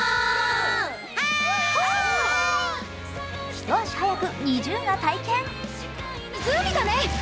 一足早くＮｉｚｉＵが体験。